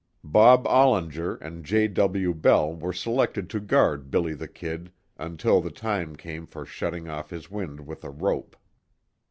Bob Ollinger and J. W. Bell were selected to guard "Billy the Kid" until the time came for shutting off his wind with a rope.